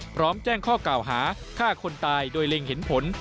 พร้อมแจ้งข้อกล่าวหาฆ่าคนตายโดยเล็งเห็นผล